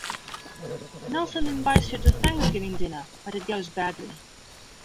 Nelson invites her to Thanksgiving dinner, but it goes badly.